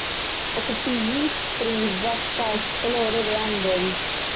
Okupiĝis pri vasta esploro de Andoj.